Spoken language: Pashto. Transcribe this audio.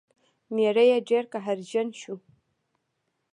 میړه یې ډیر قهرجن شو.